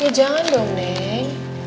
ya jangan dong neng